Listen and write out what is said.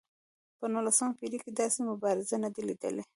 په نولسمه پېړۍ کې داسې مبارز نه دی لیدل شوی.